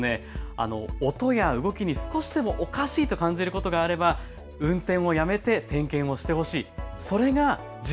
ですから整備会社の方は音や動きに少しでもおかしいと感じることがあれば運転をやめて点検をしてほしい。